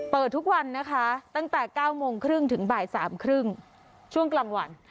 เปิดทุกวันนะคะตั้งแต่๙โมงครึ่งถึงบ่าย๓๓๐ช่วงกลางวัน